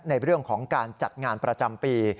ในเรื่องของการจัดงานประจำปี